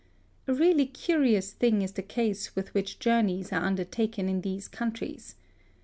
A really curious thing is the ease with which journeys are under taken in these countries.